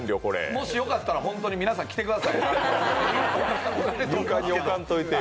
もしよかったら皆さん来てください。